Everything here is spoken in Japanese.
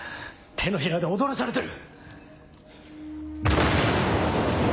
手のひらで踊らされてる！